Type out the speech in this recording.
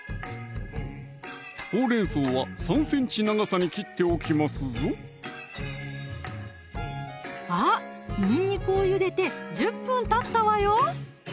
ほうれん草は３ｃｍ長さに切っておきますぞさぁにんにくをゆでて１０分たったわよ